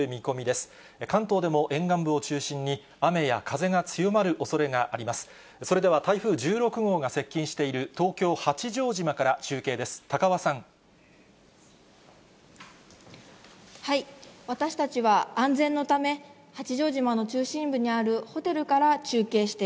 それでは台風１６号が接近している東京・八丈島から中継です。